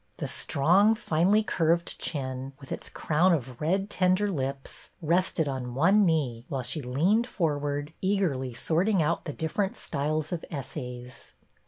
The strong, finely curved chin, with its crown of red tender lips, rested on one knee while she leaned forward, eagerly sorting out the different styles of essays.